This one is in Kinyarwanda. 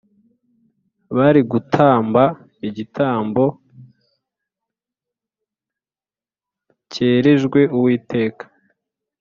bari gutamba igitambo cyerejwe uwiteka